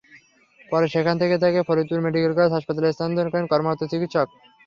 পরে সেখান থেকে তাকে ফরিদপুর মেডিকেল কলেজ হাসপাতালে স্থানান্তর করেন কর্তব্যরত চিকিৎসক।